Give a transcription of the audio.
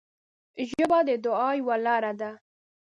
ژبه د دعا یوه لاره ده